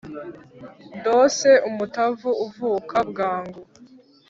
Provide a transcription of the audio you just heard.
Ndose umutavu uvuka bwangu.